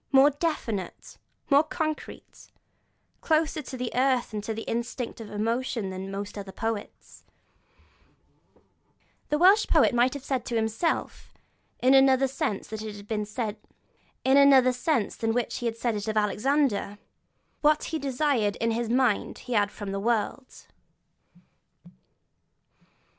More definite, more concrete, closer to the earth and to instinctive emotion than most other poets, the Welsh poet might have said of himself, in another sense than that in which he said it of Alexander: 'What he desired in his mind he had from the world.'